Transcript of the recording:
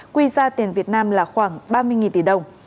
quy ra tiền việt nam là khoảng ba mươi tỷ đồng